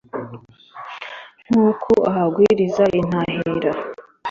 ntuku ahagwiriza intahira.